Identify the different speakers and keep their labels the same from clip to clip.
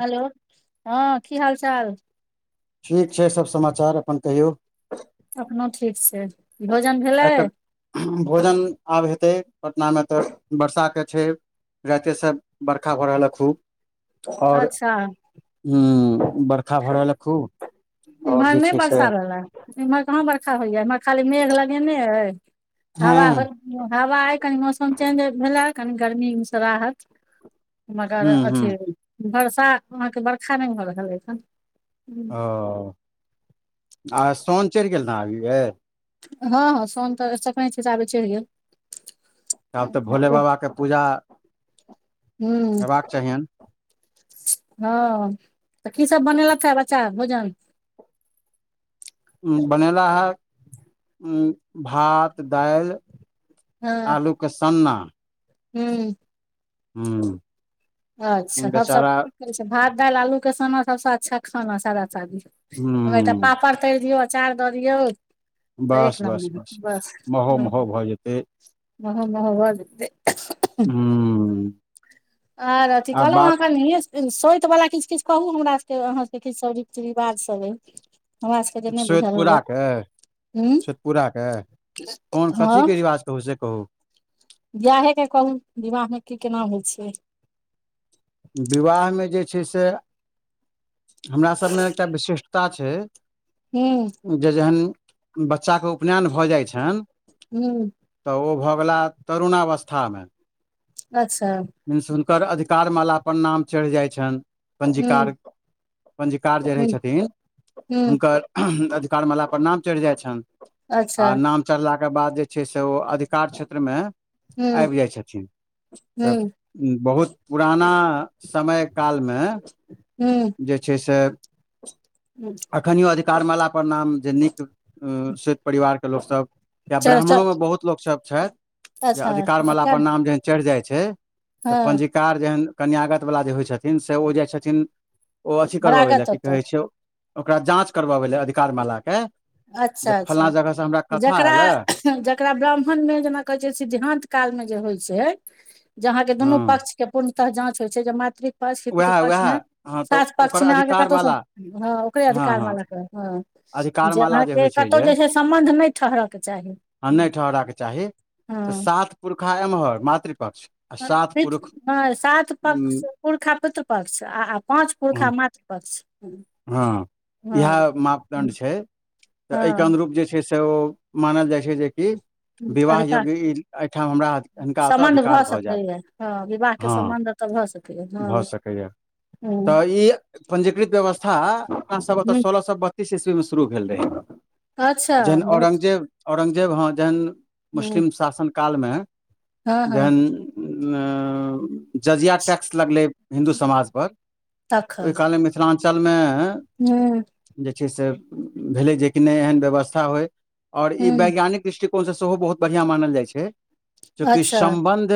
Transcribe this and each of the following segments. Speaker 1: Hello हँ की हाल चाल।
Speaker 2: ठीक छै सब समाचार अपन कहियौ।
Speaker 1: अपनो ठीक छै भोजन भेलै।
Speaker 2: आइ तऽ भोजन आब हेतै पटना में तऽ वर्षाके छै। राइते से बर्खा भ रहल ह खूब और
Speaker 1: अच्छा
Speaker 2: ह बरखा भऽ रहल हे खूब, और जे छै से
Speaker 1: एमहर कहां बरखा होइया, एमहर खाली मेघ लगेने हय
Speaker 2: हँ
Speaker 1: हवा -हवा कनि मौसम चेंज भेला, कनि गर्मीसँ राहत मगर
Speaker 2: हूँ हूँ
Speaker 1: अथी बर्षा अहाँके बर्खा नहि भऽ रहल अ हन।
Speaker 2: ओ आ सोउन चढ़ि गेल, ने अभी
Speaker 1: हँ -हँ सोउन संक संक्रांति हिसाबे चढ़ि गेल।
Speaker 2: आब तऽ भोले बाबाके पूजा
Speaker 1: हूँ
Speaker 2: हेबाक चाहियैन।
Speaker 1: हँ त की सब बनेलक ह बच्चा भोजन।
Speaker 2: बनेला हे भात दालि आलूके सन्ना।
Speaker 1: हू।
Speaker 2: हु।
Speaker 1: अच्छा हम सभ की करै छियै भात दालि आलूके सन्ना सभसँ अच्छा खाना सादा सादी। ओयमे एकटा
Speaker 2: ह
Speaker 1: पापड़ तरि दियौ अचार दऽ दियौ त
Speaker 2: बस
Speaker 1: एक
Speaker 2: बस
Speaker 1: नम्बर बस
Speaker 2: महो
Speaker 1: ह
Speaker 2: महो भऽ जेतै
Speaker 1: महोमहो भ जेतय।
Speaker 2: हू।
Speaker 1: आर अथी कहलौं हाँ कनी सोइत वला किछ- किछ कहु हमरा सबके अहाँ सबके किछु सब रीति रिवाज सभ अइ। हमरा सबके तऽ नहि बुझल हुए
Speaker 2: सोइतपुराके,
Speaker 1: हूँ
Speaker 2: सोइतपुराके कोन कथीके रिवाज कहु से कहु।
Speaker 1: बियाहेके कहु विवाहमे की केना होइ छैय।
Speaker 2: विवाहमे जे छैय से हमरा सबमे एकटा विशिषटता छैय
Speaker 1: हू।
Speaker 2: जे जहन बच्चाके उपनैन भऽ जाइ छैन
Speaker 1: हू।
Speaker 2: त ओ भऽ गेलाह तरुणावस्थामे।
Speaker 1: अच्छा।
Speaker 2: मींस हुनकर अधिकार माला पर नाम चढ़ि जाइ छनि पंजीकार
Speaker 1: हूँ
Speaker 2: क। पञ्जीकार जे रहैय
Speaker 1: हूँ
Speaker 2: छथिन
Speaker 1: हूँ
Speaker 2: हुनकर अधिकार माला पर नाम चढ़ि जाइ छैन।
Speaker 1: अच्छा
Speaker 2: आ नाम चढ़लाके बाद जे छैय से ओ अधिकार क्षेत्रमे
Speaker 1: हूँ
Speaker 2: आइब जाइ छथिन त
Speaker 1: हूँ
Speaker 2: बहुत पुराना समय कालमे
Speaker 1: हू।
Speaker 2: जे छैय से
Speaker 1: ह।
Speaker 2: अखनियो अधिकार माला पर नाम जे नीक सोइत परिवारके लोकसभ या
Speaker 1: च च
Speaker 2: ब्राह्मणोमे बहुत लोक सब छैथ जे अधिकार माला
Speaker 1: अच्छा
Speaker 2: पर नाम जे चढ़ि जाइ छैय त
Speaker 1: हँ
Speaker 2: पञ्जीकार जेहन कन्यागतवला जे होइ छथिन से ओ जाइ छथिन ओ अथी करवाबै लए
Speaker 1: रागत
Speaker 2: की
Speaker 1: ओतऽ
Speaker 2: कहै छैय ओकरा जाँच करवाबै लए अधिकार माला कऽ।
Speaker 1: अच्छा-अच्छा जकरा
Speaker 2: आयल ए
Speaker 1: जेकरा ब्राह्मणमे जेना कहय छैय सिद्धांत कालमे जे होइ छैय जे अहाँके
Speaker 2: हँ
Speaker 1: दुनू पक्ष के पूर्णतः जाँच होइ छैय जे मातृक पक्ष पितृ
Speaker 2: उएह उएह
Speaker 1: पक्षमे
Speaker 2: हँ तऽ
Speaker 1: सात
Speaker 2: ओकर
Speaker 1: पक्षमे अहाँके कतौ स
Speaker 2: अधिकारमाला
Speaker 1: हँ ओकरे
Speaker 2: हँ
Speaker 1: अधिकार
Speaker 2: हँ
Speaker 1: माला ह
Speaker 2: अधिकारमाला
Speaker 1: जेना
Speaker 2: जे होइ
Speaker 1: कि
Speaker 2: छै
Speaker 1: कतौ जे छैय सम्बन्ध नहि ठहरऽके चाही ह
Speaker 2: त सात पुरखा एम्हर मातृ पक्ष।
Speaker 1: प नय सात पक्ष
Speaker 2: उम,
Speaker 1: पुरखा पितृ पक्ष आ- आ पाँच पुरखा मात्र पक्ष।
Speaker 2: हँ
Speaker 1: हँ
Speaker 2: इहे मापदंड छैय तऽ एहिके
Speaker 1: हँ
Speaker 2: अनुरूप जे छैय। छैय से ओ मानल जाइ छैय जेकि विवाह
Speaker 1: अधिकार
Speaker 2: योग्य ई एहिठाम हमरा हिनका ओतय
Speaker 1: सम्बन्ध
Speaker 2: अधिकार
Speaker 1: भऽ
Speaker 2: जायत
Speaker 1: सकैए हँ विवाहके
Speaker 2: हँ
Speaker 1: सम्बन्ध त भऽ सकैए, हँ।
Speaker 2: भऽ सकैए
Speaker 1: हूँ
Speaker 2: तऽ ई पंजीकृत व्यवस्था आ अपना सब एतऽ
Speaker 1: हूँ
Speaker 2: सोलह सए बत्तीस ईस्वी में शुरु भेल रहै,
Speaker 1: अच्छा
Speaker 2: जखन
Speaker 1: बहुत
Speaker 2: औरंगजेब औरंगजेब हँ जखन
Speaker 1: हूँ
Speaker 2: मुस्लिम शासनकन कालमे
Speaker 1: हँ हँ
Speaker 2: जखन जजिया टैक्स लगलै हिन्दू समाज पर ओहि काल अञ्चलमे
Speaker 1: हुं।
Speaker 2: जे छै से भेलै जेकि नहि एहन व्यवस्था होइ और ई
Speaker 1: हूँ
Speaker 2: वैज्ञानिक दृष्टिकोणसँ सेहो बहुत बढ़िआँ मानल जाइ छै, चूँकि
Speaker 1: अच्छा
Speaker 2: सम्बन्ध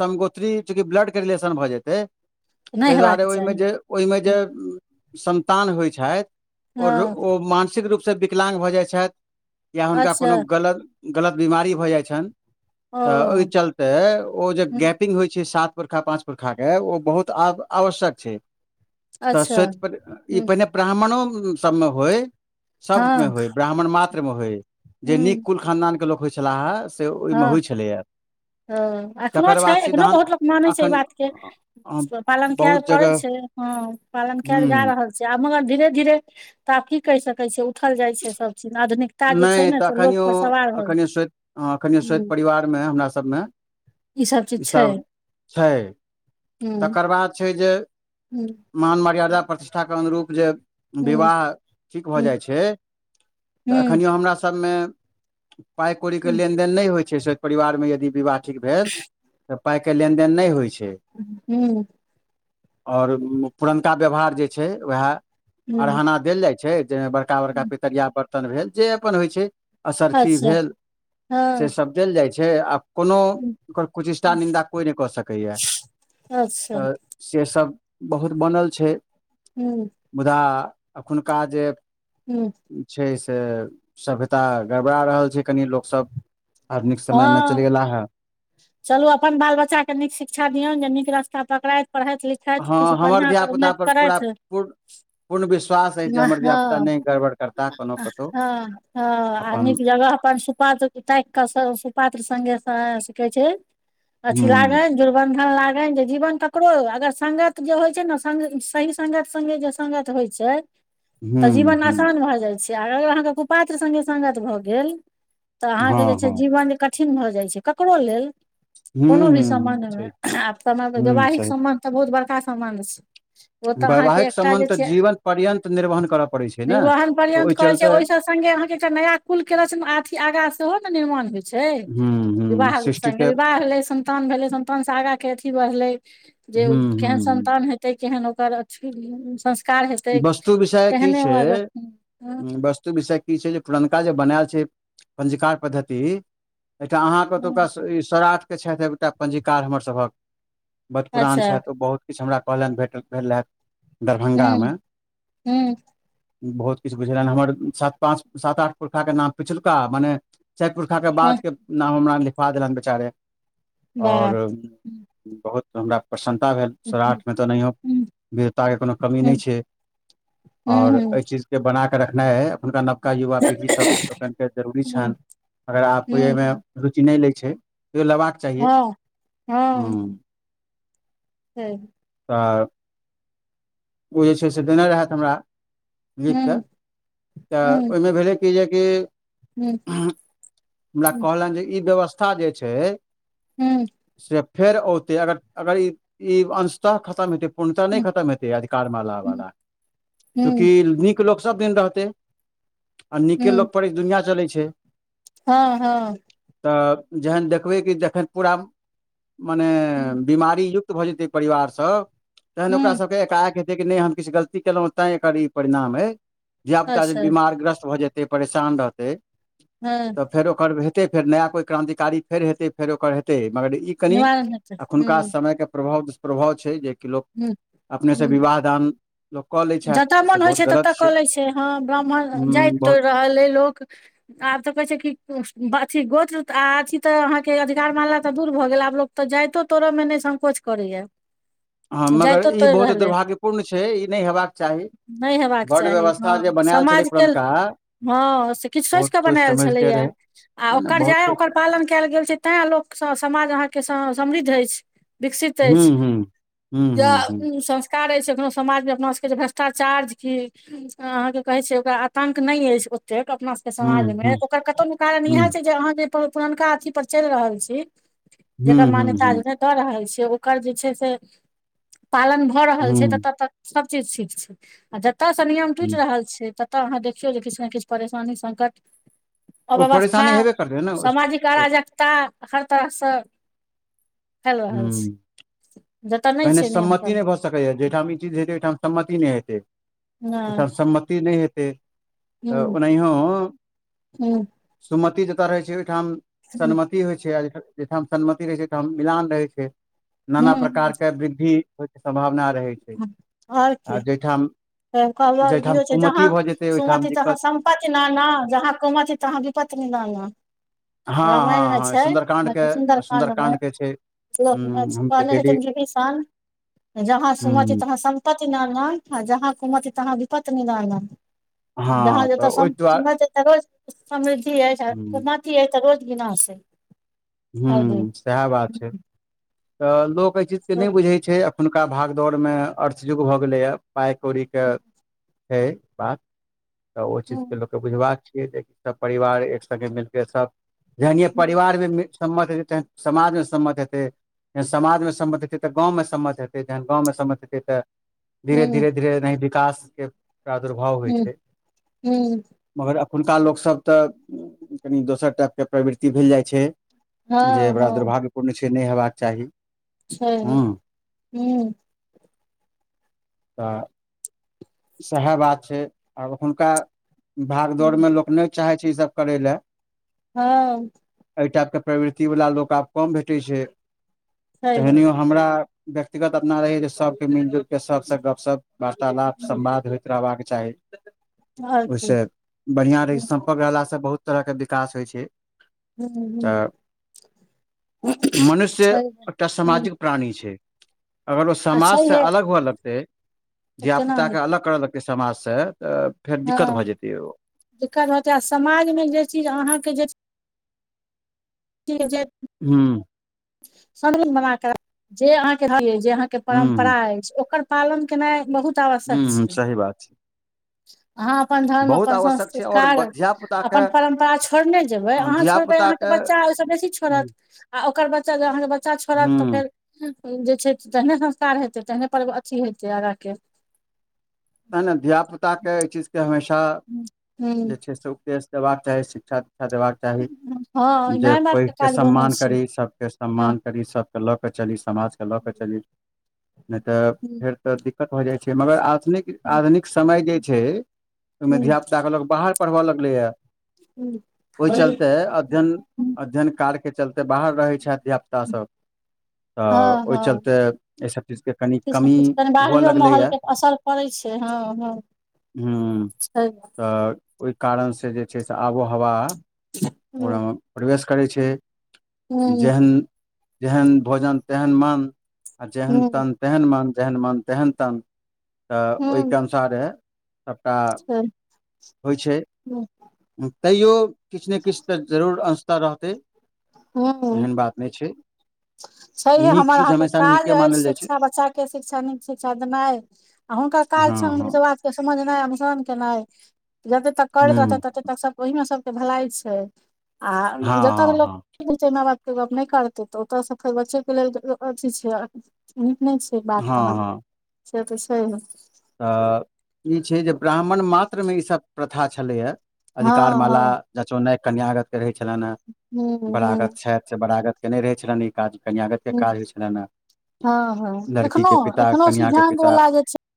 Speaker 2: संगोत्री चूंकि ब्लड के रिलेशन भऽ जेतै
Speaker 1: नहि
Speaker 2: तै
Speaker 1: हेबाक
Speaker 2: दुआरे
Speaker 1: चाही
Speaker 2: ओहिमे जे, ओहिमे जे
Speaker 1: हूँ
Speaker 2: संन्तान होइ छथि ओ
Speaker 1: हँ
Speaker 2: ओ मानसिक रूपसँ विकलाङ्ग भऽ जाइ छथि या हुनका
Speaker 1: अच्छा
Speaker 2: कोनो गलत गलत बिमारी भऽ जाइत छनि तऽ ओहि
Speaker 1: ओ
Speaker 2: चलते ओ जे
Speaker 1: हूँ
Speaker 2: गैप पिंग होइ छै सात पुरखा पाँंच परखा के ओ बहुत आवश्यक छै। तऽ
Speaker 1: अच्छा
Speaker 2: सोति पर ई
Speaker 1: हूँ
Speaker 2: पहिने ब्राह्मणो सबमे होइ सबमे
Speaker 1: हँ
Speaker 2: होय ब्राह्मण मात्रमे होइ जे नीक
Speaker 1: हूँ
Speaker 2: कुल खानदानके लोक होइ छलाह हे से ओहिमे होइत छलैए।
Speaker 1: हं, एखनो
Speaker 2: तकर
Speaker 1: छै
Speaker 2: बाद
Speaker 1: एखनो
Speaker 2: सिद्धान्त
Speaker 1: बहुत लोक मानै छै ई
Speaker 2: एखन
Speaker 1: बात के, पालन
Speaker 2: बहुत
Speaker 1: करै
Speaker 2: जगह
Speaker 1: छै। हँ, पालन कयल जा
Speaker 2: हूँ
Speaker 1: रहल छै। आ मगर धीरे धीरे त आब की कहि सकैत छियै उठल जाइ छै सब चीज आधुनिक
Speaker 2: नहि तऽ एखनिओ एखनि सोति हं एखनियो सोति
Speaker 1: ह
Speaker 2: परिवारमे हमरि सभमे ई सब छै, तकर बाद छै जे
Speaker 1: हुं।
Speaker 2: महान मर्यादा प्रतिष्ठाके अनुरूप जे विवाह ठीक भऽ
Speaker 1: ह
Speaker 2: जाइ छै तऽ
Speaker 1: ह
Speaker 2: एखनिओ हमरा सभमे पाइ कौड़ीके
Speaker 1: ह
Speaker 2: लेनदेन नहि होइत छै सोति परिवारमे यदि विवाह ठीक भेल, तऽ पाइ के लेनदेन नहि होइ छै।
Speaker 1: हुं।
Speaker 2: और पुरनका व्यवहार जे छै वैह
Speaker 1: ह
Speaker 2: अरहना देल जाइ छै जाहिमे बड़का बड़का पितरिया बरतन भेल जे अपन होइ छै असरफी
Speaker 1: अच्छा
Speaker 2: भेल से
Speaker 1: हँ
Speaker 2: सब देल जाइ छै आब कोनो ओकर कुचेष्टा निन्दा कोइ नहि कऽ सकैए
Speaker 1: अच्छा
Speaker 2: तऽ सेसभ बहुत बनल छै।
Speaker 1: हुं।
Speaker 2: मुदा एखुनका जे
Speaker 1: हुं।
Speaker 2: छै से सभ्यता गड़बड़ा रहल छै कनि लोकसभ आधुनिक समय में चलि
Speaker 1: हँ
Speaker 2: गेला हे।
Speaker 1: चलू अपन बाल बच्चाके नीक शिक्षा दियौन जे नीक रास्ता पकड़ाई। पढ़ैत लिखैत
Speaker 2: हँ
Speaker 1: किछु
Speaker 2: हमर
Speaker 1: बढ़िआं
Speaker 2: धिया
Speaker 1: करि
Speaker 2: पुता
Speaker 1: उन्नति
Speaker 2: पर पूरा
Speaker 1: करथि।
Speaker 2: पूर्ण पूर्ण विश्वास अछि जे
Speaker 1: हँ
Speaker 2: हमर धिया पुता
Speaker 1: हँ
Speaker 2: नहि गड़बड़ करताह कोनो कतहु
Speaker 1: हँ आ
Speaker 2: अपन
Speaker 1: नीक जगह अपन सुपात्र ताकि कऽ सुपात्र संगे कहे छै अथि
Speaker 2: हूँ
Speaker 1: लागनि। दुर्बंधन लागे जे जीवन ककरो अगर संगत जे होइ छै ने सही संगत संगे जे संगत होइ छै तऽ
Speaker 2: हूँ
Speaker 1: जीवन
Speaker 2: हूँ
Speaker 1: आसान भऽ जाइ छै आ अगर अहाँके कुपात्र संगे संगत भऽ गेल तऽ अहाँके
Speaker 2: हँ
Speaker 1: जे छै
Speaker 2: हँ
Speaker 1: जीवन कठिन भऽ जाइ छै, ककरो लेल। कोनो
Speaker 2: हूँ
Speaker 1: भी
Speaker 2: हूँ हूँ
Speaker 1: सबंध मे
Speaker 2: सही
Speaker 1: आब सम तऽ व
Speaker 2: हूँ
Speaker 1: वैवाहिक
Speaker 2: सही
Speaker 1: संबंध में। तऽ बहुत बड़का समान। ओ तऽ अहाँके
Speaker 2: वैवाहिक
Speaker 1: एकटा जे
Speaker 2: सम्बन्ध तऽ
Speaker 1: छै
Speaker 2: जीवन पर्यन्त निर्वहन करय पड़ै छै ने
Speaker 1: निवहन
Speaker 2: तऽ
Speaker 1: पर्यन्त
Speaker 2: ओहि
Speaker 1: करै छै
Speaker 2: चलते
Speaker 1: ओहिस सगे अहाँके। एकटा नया कुल के रच अथी आगा सेहो ने निर्माण होय छै
Speaker 2: हूँ हूँ
Speaker 1: विवाह उत्स
Speaker 2: सृष्टि के
Speaker 1: संगे संन्तान भेले संन्तान से आगा के अथी बढ़ले जे
Speaker 2: हूँ हूँ
Speaker 1: केहन
Speaker 2: हूँ
Speaker 1: संन्तान हेे। केहन ओकर अथ संस्कार हेतै
Speaker 2: वस्तु विषय की
Speaker 1: केहने
Speaker 2: छै
Speaker 1: आ।
Speaker 2: वस्तु विषय की छै जे पुरनका जे बनायल छै पञ्जिकार पद्धति एहिठाम अहाँके
Speaker 1: हूँ
Speaker 2: ओतुका ई स्रठके छथि एकटा पञ्जीकार हमरसभक। बड़ पुरान
Speaker 1: अच्छा
Speaker 2: छथि ओ बहुत किछु हमरा कहलनि भेट भेल रहैथ।
Speaker 1: हूं हूं।
Speaker 2: बहुत किछु बुझेलनि हमर सात पाँच सात आठ पुरखाक के नाम पिछुलका मने। सैपुर खाके बादके नाम हमरा लिखबा देलनि बेचारे। आओर बहुत हमरा प्रसन्नता भेल। सोराठ मे तऽ नहियो वीरतााक के कोनो कमी नहि छै। और एहि चीज के बनााक रखनाई है अपनुनका न। अखुनका युवा पीढ़ी सब लोकन के जरूरी छनि अगर आब को एहिमे। रुचि नहि लै छै लेबाक चाहिए
Speaker 1: हँ हँ।
Speaker 2: हूँ
Speaker 1: छै।
Speaker 2: तऽ ओ जे छै से देने रहेथ हमरा। लिख कऽ तऽ ओहिमे भेलै कि जेकि। हमरा कहलनि जे ई व्यवस्था जे छै।
Speaker 1: हूं।
Speaker 2: से फेर औते अगर अगर ई अंशतः खतम हेते पूर्णता नहि खतम हे। अधिकार माला वाला चूँकि नीक लोकग सब दिन रहते। आ नीके लोक पर ई दुनिया चलै छै।
Speaker 1: हँ हँ।
Speaker 2: तऽ जहन देखबै कि जखन पूरा मने।
Speaker 1: ह्म
Speaker 2: बीमारी युक्त भऽ जेतै परिवार सब तहन ओकरा
Speaker 1: ह्म
Speaker 2: सब। एक आक हेतै कि नहि हम किछु गलती केलहुँ तैं एकर ई परिणाम है। धियापुता जे
Speaker 1: अच्छा
Speaker 2: बिमार ग्रस्त भऽ जेतै परेशान रहतै।
Speaker 1: हँ।
Speaker 2: तऽ फेर ओकर हेतै फेर नया कोइ क्रान्तारी फेर हेतै फेर ओकर हेतै मगर ई। कनि
Speaker 1: निवारण हेतै ह्म
Speaker 2: एखुनका समय के प्रभाव दुष्प्रभाव छै जेकि लोक
Speaker 1: ह्म
Speaker 2: अपने से
Speaker 1: ह्म
Speaker 2: विवाह दान लोक कऽ लै छथि
Speaker 1: जतय
Speaker 2: से
Speaker 1: मोन होइ
Speaker 2: बहुत
Speaker 1: छै
Speaker 2: गलत
Speaker 1: ततऽ कऽ लै छै हँ ब्राह्मण जाइत
Speaker 2: हूँ
Speaker 1: तो
Speaker 2: बहुत
Speaker 1: रहल अइ लोक आब तऽ कहै छै कि अथी गोत्र आ अथी तऽ अहाँके अधिकार मानला तऽ दूर भऽ गेल आब लोक तऽ जाइतो तोरय मे नहि संकोच करैया।
Speaker 2: हँ मगर
Speaker 1: जाइतो
Speaker 2: ई
Speaker 1: तोड़ि
Speaker 2: बहुत
Speaker 1: रहलै
Speaker 2: दुर्भाग्यपूर्ण छै ई नहि हेबाक चाही
Speaker 1: नहि हेबाक
Speaker 2: वर्ण
Speaker 1: चाही
Speaker 2: व्यवस्था जे
Speaker 1: हँ
Speaker 2: बनायल छलै
Speaker 1: समाजके
Speaker 2: पुरनका
Speaker 1: हँ से किछु सोचि
Speaker 2: बहुत
Speaker 1: कऽ बनायल
Speaker 2: समझ के रहै
Speaker 1: छलैएा आ
Speaker 2: है ने
Speaker 1: ओकर
Speaker 2: बहुत
Speaker 1: जाय
Speaker 2: सोच
Speaker 1: ओकर पालन कयल गेल छै। तैँ लोकसँ समाज अहाँके समृद्ध अछि। विकसित
Speaker 2: हूँ
Speaker 1: अछि।
Speaker 2: हूँ हूँ हूँ हूँ
Speaker 1: ज संस्कार अछि एखनो समाज मे अपना भ्रष्टाचार की अहाँके कहे छै ओकरा आतंक नहि अछि ओतेक अपना
Speaker 2: हूँ
Speaker 1: समाजमे
Speaker 2: हूँ
Speaker 1: ओकर कतहु कारण
Speaker 2: हूँ
Speaker 1: इहे छैय जे अहाँ जे अपन पुरनका अथी पर चलि रहल छी।
Speaker 2: हूँ
Speaker 1: जेकर
Speaker 2: हूँ
Speaker 1: मान्यता
Speaker 2: हूँ
Speaker 1: जे द रहल छियै ओकर जे छैय से पालन भ भ रहल छैय
Speaker 2: हूँ
Speaker 1: ततऽ तक सब चीज ठीक छैय आ जेतऽ से नियम टूटि
Speaker 2: हूँ
Speaker 1: रहल छैय तऽ अहाँ देखियौ जे किछ ने किछ परेशानी, संकट
Speaker 2: ओ
Speaker 1: अव्यवस्था
Speaker 2: परेशानी हेबे करतै ने ओस
Speaker 1: सामाजिक
Speaker 2: ओ
Speaker 1: अराजकता हर तरहसँ फैल रहल छैय।
Speaker 2: हूँ पहिने सम्मति नहि भ सकैए जाहिठाम ई चीज हेतै ओहिठाम सम्मति नहि हेतै।
Speaker 1: नहि
Speaker 2: ओहिठाम सम्मति नहि हेतै त
Speaker 1: हूँ
Speaker 2: ओनाहिओ
Speaker 1: हूँ
Speaker 2: सुमति जतय रहै छैय ओहिठाम
Speaker 1: हूँ
Speaker 2: सनमति हो छैय जइठाम सनमति रहै छैय तैय ठाम मिलान रहै छैय नाना प्रकार
Speaker 1: हूँ
Speaker 2: के सम्वृद्धि होयके सम्भावना रहै छैय आ जयठाम
Speaker 1: कहबीयो छैय जहाँ
Speaker 2: ओहिठाम
Speaker 1: सुमती तहाँ
Speaker 2: दिक्कत
Speaker 1: संपत्ति नाना जहाँ कुमति तहाँ विपत्ति नाना।
Speaker 2: हँ
Speaker 1: रामायणमे
Speaker 2: हँ हँ
Speaker 1: छैय,
Speaker 2: सुन्दरकाण्ड के
Speaker 1: हते सुन्दरकाण्डमे
Speaker 2: सुन्दरकाण्ड के छै हूँ हम तऽ
Speaker 1: कहने
Speaker 2: डेली
Speaker 1: छथिन विभीषण जहाँ सुमति
Speaker 2: हूँ
Speaker 1: तहाँ सम पति नाना जहाँ कुमति तहाँ विपत्ति नाना।
Speaker 2: हँ
Speaker 1: जहाँ
Speaker 2: तऽ
Speaker 1: जतय
Speaker 2: ओहि
Speaker 1: सम
Speaker 2: दुआरे
Speaker 1: सुमति त रोज समृद्धि अइछ आ
Speaker 2: हूँ
Speaker 1: कुमति अइछ त रोज विनाश अइ।
Speaker 2: हू सेह बात छैय। त लोक एहि चीजके नय बुझैय छैय एखुनका भागदौड़मे अर्थयुग भऽ गेलैए। पाइ कौड़ी के छैैय बात त ओ चीजके लोक के बुझबाक छियै जे सब परिवार एक संगे मिलके सब जहनिये परिवार मे सम्मत हेतै तहैन समाजमे सम्मत हेतै। तखन समाजमे सम्मत हेतै, त गाँवंमे सम्मत हेतै, जहनि गाँवंमे सम्मत हेतै त धीरे धीरे
Speaker 1: हुँ
Speaker 2: धीरे धीरे एनाही विकासके प्रादुर्भाव होइ छैय।
Speaker 1: हुँ
Speaker 2: मगर अखुनका लोकसभ त कनि दोसर टाइपके प्रवृति भेल जाइ छैय। जे
Speaker 1: हँ
Speaker 2: बड़ा
Speaker 1: हँ
Speaker 2: दुर्भाग्यपूर्ण छैय नहि हेबाक चाही।
Speaker 1: छैय
Speaker 2: हँ
Speaker 1: हू।
Speaker 2: त सहे बात छैय आब अखुनका
Speaker 1: हुँ
Speaker 2: भागदौड़मे लोक नय चाहै छैय इसभ करय लए।
Speaker 1: हँ।
Speaker 2: एहि टाइपके प्रवृतिवला लोक आब कम भेटैय छैय
Speaker 1: छैहे
Speaker 2: तहनियो हमरा व्यक्तिगत अपना रहैये जे सबके मिल जुलके सबसँ गपशप वार्तालाप
Speaker 1: हुँ
Speaker 2: संवाद होइत रहबाक चाही
Speaker 1: आओर की
Speaker 2: ओहिस बढ़िआं रही
Speaker 1: हुँ
Speaker 2: पक रहला स बहुत तरह के विकास होइ छैय।
Speaker 1: हुँ हुँ
Speaker 2: त मनुष्य
Speaker 1: छैहे
Speaker 2: एकटा
Speaker 1: हुँ
Speaker 2: सामाजिक प्राणी छैय अगर ओ
Speaker 1: आ
Speaker 2: समाज से
Speaker 1: छैहे
Speaker 2: अलग हुए लगतै
Speaker 1: तऽ
Speaker 2: [unintelligible]
Speaker 1: केना हेतै
Speaker 2: अलग करऽ लगतै समाज से त फेर दिक्कत भए
Speaker 1: हँ
Speaker 2: जेतै ओ।
Speaker 1: दिक्कत हो आ समाजमे जे चीज अहाँके जे च ठी जे
Speaker 2: हू।
Speaker 1: [unintelligible] बनाक जे अहाँके जे अहाँके
Speaker 2: हूँ
Speaker 1: परम्परा
Speaker 2: हूँ
Speaker 1: अछि ओकर पालन केनाय बहुत आवश्यक
Speaker 2: हु-हु
Speaker 1: छै
Speaker 2: सही बात छैय।
Speaker 1: अहाँ अपन धर्म, अपन
Speaker 2: आवश्यक छै आओर
Speaker 1: संस्कार,
Speaker 2: धिया पुताके
Speaker 1: अपन परम्परा छोड़ने जेबय, अहाँ
Speaker 2: धिया
Speaker 1: छोड़बै अहाँ के
Speaker 2: पुताके
Speaker 1: बच्चा ओयसँ बेसी छोड़त आ ओकर बच्चा अहाँके बच्चा छोड़त त
Speaker 2: हूँ
Speaker 1: फेर जे छैय तेहने संस्कार हेतैय तेहने परव अथी हेतैय आगां के
Speaker 2: तै ने धिय पुता के एहि चीज के हमेशा
Speaker 1: हूँ
Speaker 2: जे छैय से उपदेश देबाक चाही शिक्षा दिक्षा देबाक चाही
Speaker 1: हँ
Speaker 2: जे
Speaker 1: इनाय बात
Speaker 2: पैघ के
Speaker 1: काज बनै
Speaker 2: सम्मान
Speaker 1: छै
Speaker 2: करी सबके
Speaker 1: हँ
Speaker 2: सम्मान करी सब लऽ कऽ चली समाज के लऽ कऽ चली नहि तऽ फेर
Speaker 1: हूँ
Speaker 2: तऽ दिक्कत भऽ जाइ छैय मगर आधुनिक आधुनिक समय जे छैय ओहिमे
Speaker 1: हूँ
Speaker 2: धिया पुता के लोक बाहर पढ़बऽ लगलैया ओहि चलते अध्ययन अध्ययन कार तै चलते बाहर रहै छैथ धिया पुता सब तऽ
Speaker 1: हँ
Speaker 2: ओहि
Speaker 1: हँ
Speaker 2: चलते एहिसभ चीजके कनि
Speaker 1: किछ ने
Speaker 2: कमी
Speaker 1: किछ कनि
Speaker 2: हुअ
Speaker 1: बाहरियो माहौल
Speaker 2: लगलैए
Speaker 1: के असर पड़ै छिय हं हं
Speaker 2: हूँ
Speaker 1: छैय।
Speaker 2: तऽ ओहि कारणसँ जे छैय से आबो हवा
Speaker 1: छैहे
Speaker 2: ओकरामे? प्रवेश करै छैय जेहन जेहन भोजन तेहन मन आ जेहन तन तेहन मन जेहन मन तेहन तन तऽ ओहिके अनुसारे सबटा होइ छैय। तैयो किछ ने किछ तऽ जरूर अंश त रहतै। एहन बात नहि छैय।
Speaker 1: छैहे हमर अहां के काज अछि
Speaker 2: मानल जाइ छै
Speaker 1: शिक्षा बच्चा के शिक्षा नीक शिक्षा देनाइ आ हुनकर काज
Speaker 2: हँ
Speaker 1: छैन
Speaker 2: हँ
Speaker 1: त समझ नैय अनुसान केनाय जतए तक करैत
Speaker 2: हूँ
Speaker 1: रहत तते सब ओहिमे सब के भलाई छैय आ
Speaker 2: हँ
Speaker 1: जत
Speaker 2: हँ
Speaker 1: लोक
Speaker 2: हँ
Speaker 1: माय बाप के गप नहि करते तऽ ओतता से फेर बचे के लेल अथी छैय नीक नै छैय। ठीक बात
Speaker 2: हँ
Speaker 1: तहन
Speaker 2: हँ
Speaker 1: से तऽ छैय
Speaker 2: तऽ ई छैय जे ब्राह्मण मात्र मे ई सभ प्रथा छलैया। अधिकार माला
Speaker 1: हँ
Speaker 2: जचो नहि कन्यागत के रहै छलनि हे
Speaker 1: हूँ
Speaker 2: बड़ागत
Speaker 1: हूँ
Speaker 2: छैथ से बराागत केने रहै छैय रानी। काज कन्यागत के
Speaker 1: हूँ
Speaker 2: काज होइत छलनि
Speaker 1: हँ हँ
Speaker 2: हे
Speaker 1: एखनो
Speaker 2: लड़कीे पिता
Speaker 1: एखनो
Speaker 2: कन्या के
Speaker 1: सिद्धांत
Speaker 2: पिता
Speaker 1: वला जे छै